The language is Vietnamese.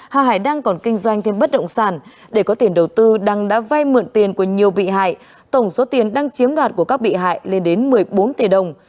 hà hải đăng còn kinh doanh thêm bất động sản để có tiền đầu tư đăng đã vay mượn tiền của nhiều bị hại tổng số tiền đăng chiếm đoạt của các bị hại lên đến một mươi bốn tỷ đồng